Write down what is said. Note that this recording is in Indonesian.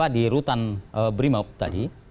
di rutan brimob tadi